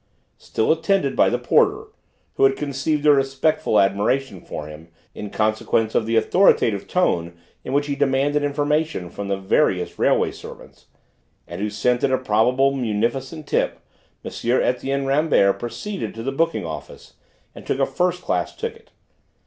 Still attended by the porter, who had conceived a respectful admiration for him in consequence of the authoritative tone in which he demanded information from the various railway servants, and who scented a probable munificent tip, M. Etienne Rambert proceeded to the booking office and took a first class ticket.